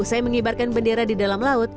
usai mengibarkan bendera di dalam laut